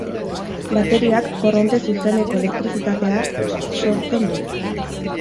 Bateriak korronte zuzeneko elektrizitatea sortzen du.